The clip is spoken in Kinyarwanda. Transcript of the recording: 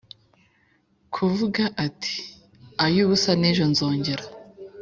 kuva ati « ay'ubusa n'ejo nzongera ».